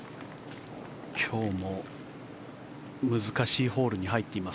今日も難しいホールに入っています。